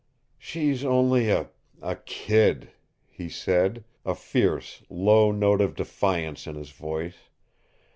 "She's only a a kid," he said, a fierce, low note of defiance in his voice.